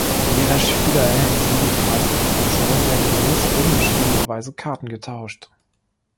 Jeder Spieler erhält sieben Karten, sodann werden gemäß oben beschriebener Weise Karten getauscht.